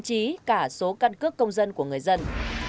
chí cả số căn cước công dân của người dân